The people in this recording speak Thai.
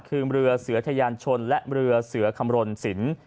คือเมืองเสือเทยัชชนและเมืองเสือคำรวณสิน